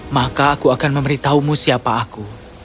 maka aku akan memberitahumu siapa aku